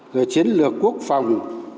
rồi chiến lược quốc phòng